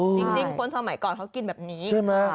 จริงคนสมัยก่อนเขากินแบบนี้